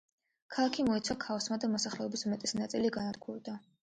ქალაქი მოიცვა ქაოსმა და მოსახლეობის უმეტესი ნაწილი განადგურდა.